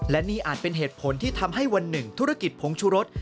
และนี่อาจเป็นเหตุผลที่ทำให้วันหนึ่งธุรกิจผงชูรส